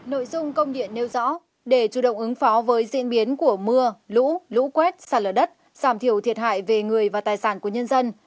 nội dung công điện nêu rõ để chủ động ứng phó với diễn biến của mưa lũ lũ quét sạt lở đất giảm thiểu thiệt hại về người và tài sản của nhân dân